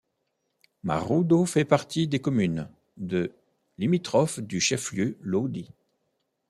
Marudo fait partie des communes de limitrophes du chef-lieu Lodi.